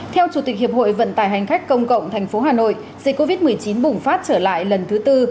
theo chủ tịch hiệp hội vận tải hành khách công cộng tp hà nội dịch covid một mươi chín bùng phát trở lại lần thứ tư